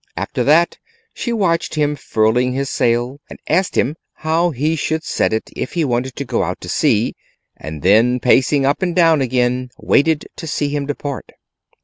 After that, she watched him furling his sail and asked him how he should set it if he wanted to go out to sea, and then pacing up and down again, waited to see him depart.